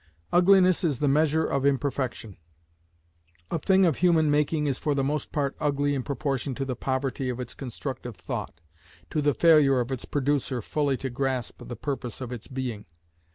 Ugliness is the measure of imperfection; a thing of human making is for the most part ugly in proportion to the poverty of its constructive thought, to the failure of its producer fully to grasp the purpose of its being.